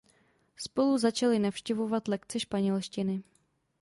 Spolu začali navštěvovat lekce španělštiny.